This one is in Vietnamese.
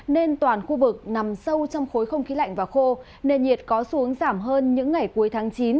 nên toàn khu vực nằm sâu trong khối không khí lạnh và khô nền nhiệt có xuống giảm hơn những ngày cuối tháng chín